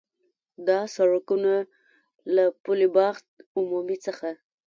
دا سړکونه له پُل باغ عمومي څخه